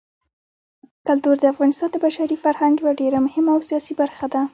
کلتور د افغانستان د بشري فرهنګ یوه ډېره مهمه او اساسي برخه ده.